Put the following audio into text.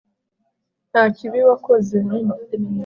nta kibi wakoze